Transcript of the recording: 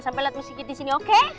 sampai liat miss gigi di sini oke